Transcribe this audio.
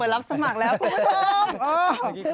รับสมัครแล้วคุณผู้ชม